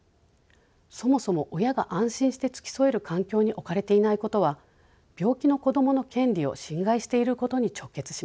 そもそも親が安心して付き添える環境に置かれていないことは病気の子どもの権利を侵害していることに直結します。